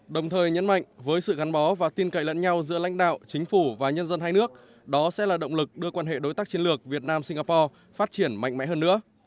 đồng thời nhấn mạnh với sự gắn bó và tin cậy lẫn nhau giữa lãnh đạo chính phủ và nhân dân hai nước đó sẽ là động lực đưa quan hệ đối tác chiến lược việt nam singapore phát triển mạnh mẽ hơn nữa